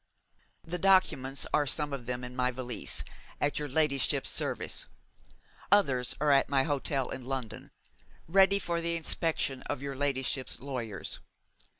The documents are some of them in my valise, at your ladyship's service. Others are at my hotel in London, ready for the inspection of your ladyship's lawyers.